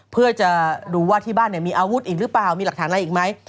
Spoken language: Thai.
เพื่อจะดูว่าที่บ้านมีอาวุธอีกหรือเปล่ามีหลักฐานอะไรอีกไหม